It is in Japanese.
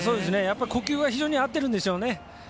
呼吸は非常に合ってるんでしょうね。